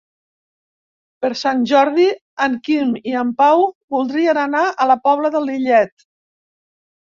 Per Sant Jordi en Quim i en Pau voldrien anar a la Pobla de Lillet.